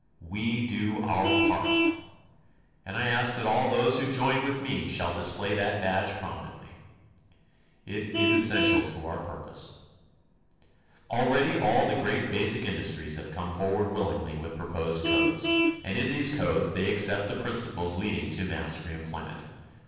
"We do our part," and I ask that all those who join with me shall display that badge prominently. It is essential to our purpose. Already all the great, basic industries have come forward willingly with proposed codes, and in these codes they accept the principles leading to mass reemployment.